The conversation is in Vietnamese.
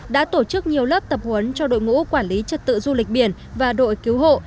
đã tổ chức nhiều lớp tập huấn cho đội ngũ quản lý trật tự du lịch biển và đội cứu hộ